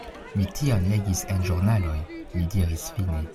Mi tion legis en ĵurnaloj, li diris fine.